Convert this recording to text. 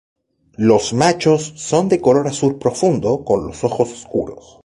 Los machos son de color azul profundo con los ojos oscuros.